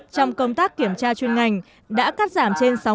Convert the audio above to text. trong công tác kiểm tra chuyên ngành đã cắt giảm trên sáu mươi